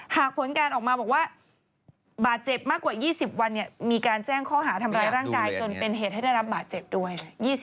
ผลการออกมาบอกว่าบาดเจ็บมากกว่า๒๐วันมีการแจ้งข้อหาทำร้ายร่างกายจนเป็นเหตุให้ได้รับบาดเจ็บด้วย